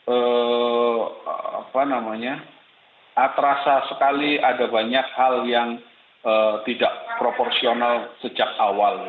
apa namanya terasa sekali ada banyak hal yang tidak proporsional sejak awal